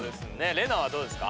レナはどうですか？